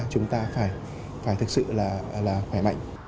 chúng ta phải thực sự là khỏe mạnh